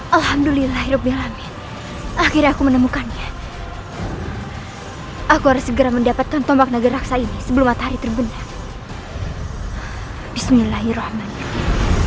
alhamdulillah hidup akhirnya aku menemukannya aku harus segera mendapatkan tombak naga raksa ini sebelum matahari terbenam